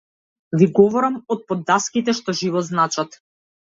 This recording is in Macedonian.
Ви говорам од под даските што живот значат!